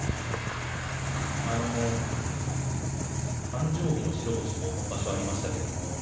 誕生日の白星も今場所ありましたけど